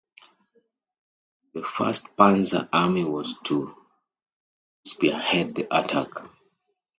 The First Panzer Army was to spearhead the attack.